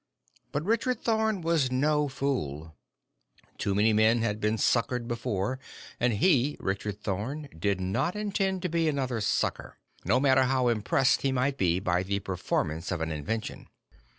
But Richard Thorn was no fool. Too many men had been suckered before, and he, Richard Thorn, did not intend to be another sucker, no matter how impressed he might be by the performance of an invention.